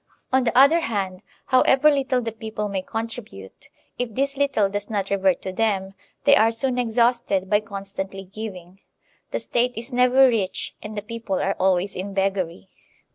On the other hand, however little the people may contribute, if this little does not revert to them, they are soon exhausted by constantly giving; the State is never rich and the people are always in beggary.